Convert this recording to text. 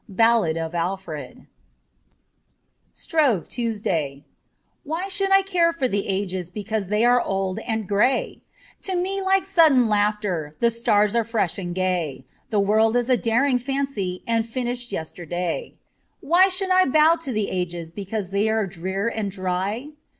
'Ballad of Alfred: 409 SHROVE TUESDAY WHY should I care for the Ages Because they are old and grey ? To me like sudden laughter The stars are fresh and gay ; The world is a daring fancy And finished yesterday. Why should I bow to the Ages Because they are drear and dry